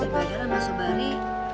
pokoknya bayaran mas soebari